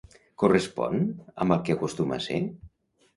Correspon amb el que acostuma a ser?